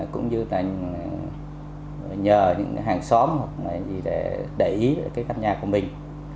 cũng như nhờ những hàng xóm để để ý các nhà của mình